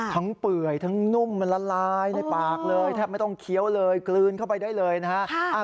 เปื่อยทั้งนุ่มมันละลายในปากเลยแทบไม่ต้องเคี้ยวเลยกลืนเข้าไปได้เลยนะฮะ